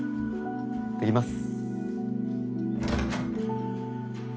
いってきます。